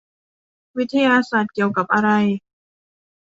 วิทยาศาสตร์เกี่ยวอะไร ?